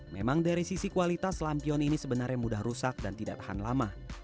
memang dari sisi kualitas lampion ini sebenarnya mudah rusak dan tidak tahan lama